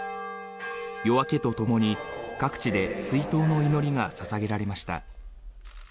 夜明けとともに、各地で追悼の祈りが捧げられました。